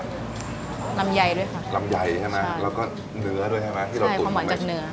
ลำยัยด้วยค่ะลำยัยใช่ไหมใช่แล้วก็เนื้อด้วยใช่ไหมใช่ความหวานจากเนื้อ